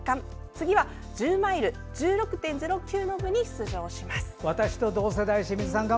次は１０マイル１６．０９ｋｍの部に出場します。